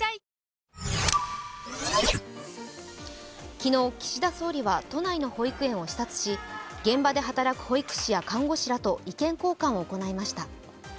昨日、岸田総理は都内の保育園を視察し現場で働く保育士や看護師らと意見交換を行いました。